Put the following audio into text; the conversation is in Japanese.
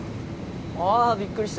ああびっくりした。